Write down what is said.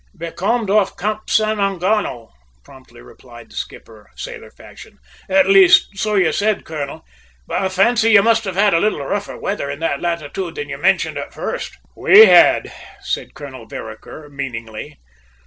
"Becalmed off Cape San Engano," promptly replied the skipper, sailor fashion "at least, so you said, colonel; but I fancy you must have had a little rougher weather in that latitude than you mentioned at first!" "We had," said Colonel Vereker meaningly.